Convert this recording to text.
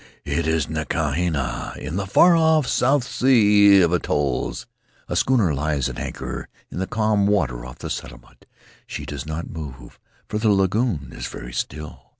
It is Nukuhina, in the far off Sea of Atolls. A schooner lies at anchor in the calm water off the settlement; she does not move, for the lagoon is very still.